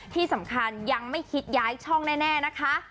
ที่สำคัญยังไม่คิดย้ายช่องแน่นะคะ